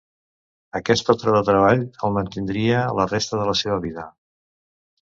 Aquest patró de treball el mantindria la resta de la seva vida.